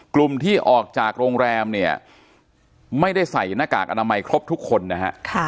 กลุ่มที่ออกจากโรงแรมเนี่ยไม่ได้ใส่หน้ากากอนามัยครบทุกคนนะฮะ